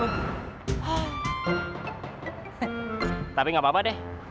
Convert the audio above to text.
heh tapi gapapa deh